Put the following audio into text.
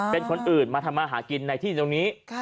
เป็นคนอื่นมาทำมาหากินในที่ตรงนี้